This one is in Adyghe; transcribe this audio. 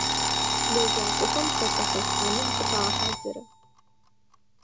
Лэжьакӏохэм хэтэ хэлъхьаным зыфагъэхьазыры.